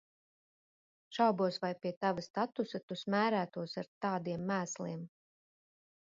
Šaubos, vai pie tava statusa tu smērētos ar tādiem mēsliem.